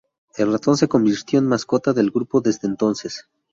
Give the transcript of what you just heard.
El ratón se convirtió en mascota del grupo desde entonces.